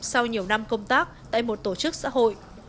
sau nhiều năm công tác tại một tổ chức xã hội